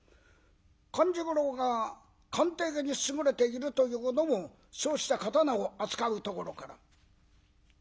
勘十郎が鑑定に優れているというのもそうした刀を扱うところから。